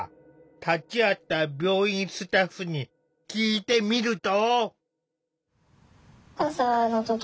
立ち会った病院スタッフに聞いてみると。